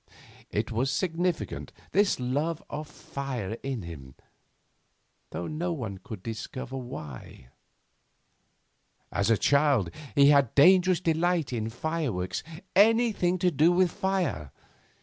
It was significant, this love of fire in him, though no one could discover why. As a child he had a dangerous delight in fireworks anything to do with fire.